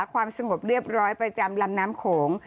ความสงบเรียบร้อยประจำลำน้ำโขง